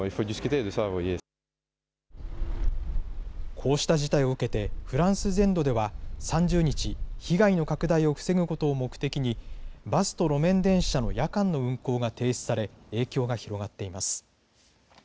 こうした事態を受けてフランス全土では３０日被害の拡大を防ぐことを目的にバスと路面電車の夜間の運行が停止され影響が広がっています。